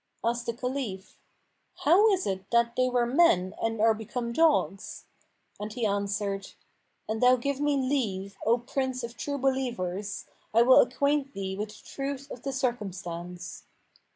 Asked the Caliph, "How is it that they were men and are become dogs?"; and he answered, "An thou give me leave, O Prince of True Believers, I will acquaint thee with the truth of the circumstance."